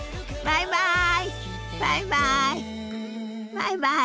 バイバイ！